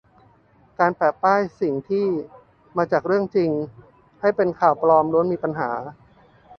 การแปะป้ายสิ่งที่"มาจากเรื่องจริง" ให้เป็นข่าวปลอมล้วนก็มีปัญหา